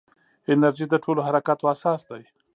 انرژي د ټولو حرکاتو اساس دی.